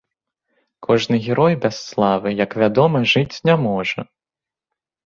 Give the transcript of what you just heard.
Кожны герой без славы, як вядома, жыць не можа.